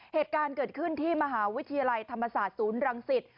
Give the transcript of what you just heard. เหตุการณ์เกิดขึ้นที่มหาวิทยาลัยธรรมศาสตร์ศูนย์รังสิต